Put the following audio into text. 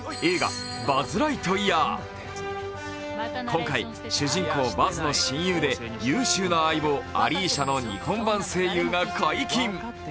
今回、主人公バズの親友で優秀な相棒・アリーシャの日本版声優が解禁。